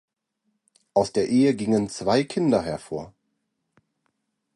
Aus der Ehe gingen zwei Kinder hervor.